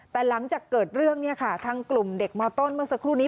แต่หลังจากเกิดเรื่องเนี่ยค่ะทางกลุ่มเด็กมต้นเมื่อสักครู่นี้